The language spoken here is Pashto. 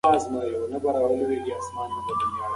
په ځینو حالتونو کې غوسه د تاوتریخوالي سبب ګرځي.